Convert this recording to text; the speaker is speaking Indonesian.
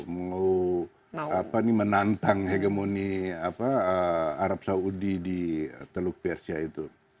mau menantang hegemoni arab saudi di teluk persia itu